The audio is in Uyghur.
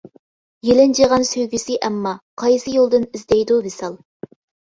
يېلىنجىغان سۆيگۈسى ئەمما، قايسى يولدىن ئىزدەيدۇ ۋىسال.